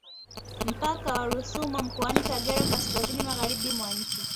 Mpaka wa Rusumo mkoani Kagera kaskazini magharibi mwa nchi